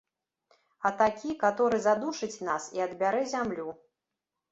А такі, каторы задушыць нас і адбярэ зямлю.